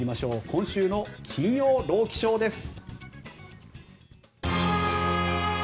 今週の金曜ロウキショーです。